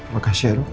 makasih ya dok